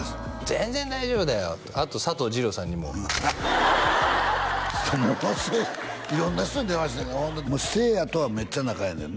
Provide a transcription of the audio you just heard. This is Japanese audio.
「全然大丈夫だよ」ってあと佐藤二朗さんにもハハッものすごい色んな人に電話してるほんでもうせいやとはめっちゃ仲ええねんな？